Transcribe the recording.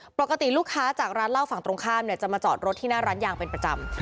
ปกติลูกค้าจากร้านเหล้าฝั่งตรงข้ามเนี่ยจะมาจอดรถที่หน้าร้านยางเป็นประจำ